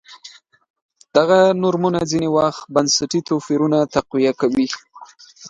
دغه نورمونه ځیني وخت بنسټي توپیرونه تقویه کوي.